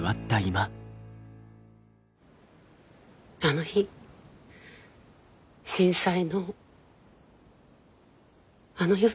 あの日震災のあの夜。